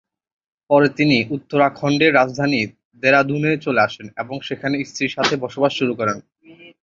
পরে তিনি উত্তরাখণ্ডের রাজধানী দেরাদুনে চলে আসেন এবং সেখানে স্ত্রীর সাথে বসবাস শুরু করেন।